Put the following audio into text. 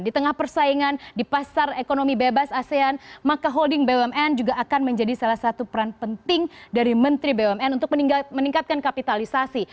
di tengah persaingan di pasar ekonomi bebas asean maka holding bumn juga akan menjadi salah satu peran penting dari menteri bumn untuk meningkatkan kapitalisasi